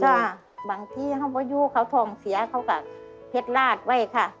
ใช่บางที่เขาไม่อยู่เขาท่องเสียเขากับเพชรลาดไว้ค่ะ